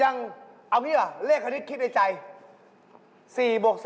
เว่งไวแล้วก็ไม่บอก